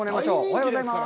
おはようございます。